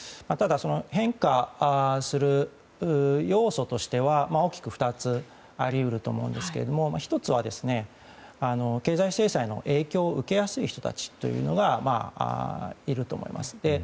ただ、変化する要素としては大きく２つあり得ると思うんですけど１つは、経済制裁の影響を受けやすい人たちというのがいると思います。